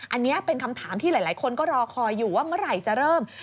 อันนี้เป็นคำถามที่หลายคนก็รอคอยอยู่ว่าเมื่อไหร่จะเริ่ม